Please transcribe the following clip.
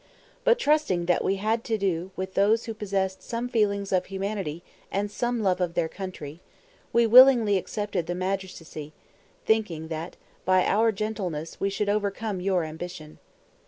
But trusting that we had to do with those who possessed some feelings of humanity and some love of their country, we willingly accepted the magistracy, thinking that by our gentleness we should overcome your ambition.